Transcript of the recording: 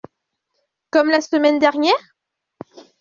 Comme la semaine dernière ?…